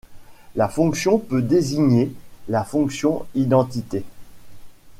La fonction peut désigner la fonction identité.